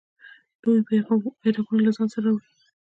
دوی بیرغونه له ځان سره راوړي.